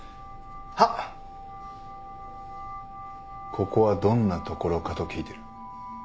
ここはどんな所かと聞いてる。